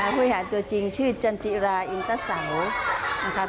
ผู้บริหารตัวจริงชื่อจันจิราอินตะเสา